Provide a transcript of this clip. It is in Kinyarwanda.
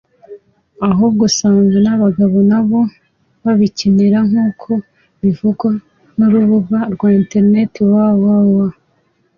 ahubwo usanga n’abagabo nabo babikenera nk’uko bivugwa n’urubuga rwa internet www